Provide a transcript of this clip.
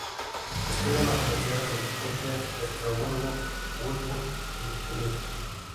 Estudia en las universidades de Königsberg, Estrasburgo, Würzburg, y Tübingen.